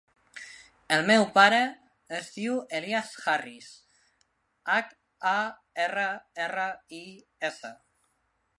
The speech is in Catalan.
El meu pare es diu Elías Harris: hac, a, erra, erra, i, essa.